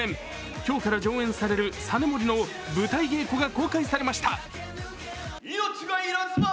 今日から上演される「ＳＡＮＥＭＯＲＩ」の舞台稽古が公開されました。